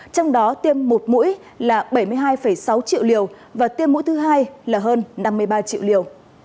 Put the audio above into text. trong đó tiêm một mũi là bảy mươi hai sáu triệu liều và tiêm mũi thứ hai là hơn năm mươi ba triệu liều